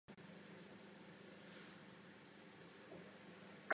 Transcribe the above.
Byl rodák z Kréty.